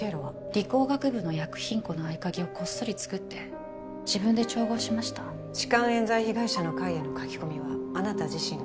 理工学部の薬品庫の合鍵をこっそり作って自分で調合しました痴漢冤罪被害者の会への書き込みはあなた自身が？